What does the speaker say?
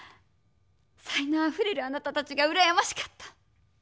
才のうあふれるあなたたちがうらやましかった。